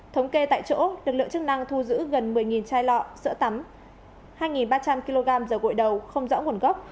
thống kê tại chỗ lực lượng chức năng thu giữ gần một mươi chai lọ sữa tắm hai ba trăm linh kg dầu gội đầu không rõ nguồn gốc